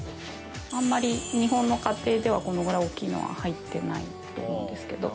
「あんまり日本の家庭ではこのぐらい大きいのは入ってないと思うんですけど。